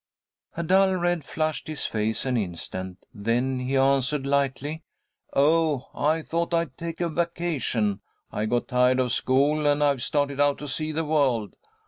A dull red flushed his face an instant, then he answered, lightly, "Oh, I thought I'd take a vacation. I got tired of school, and I've started out to see the world.